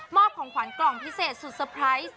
ของขวัญกล่องพิเศษสุดเซอร์ไพรส์